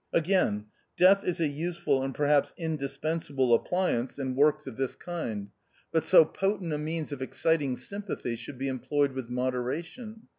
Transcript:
Again, Death is a useful and perhaps indispensable appliance in works of this THE OUTCAST. 45 kind, but so potent a means of exciting sympathy should be employed with modera tion.